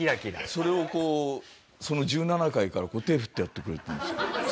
それをこう１７階から「手振ってやってくれ」って言うんですよ。